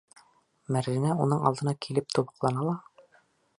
Мәржәнә уның алдына килеп тубыҡлана ла: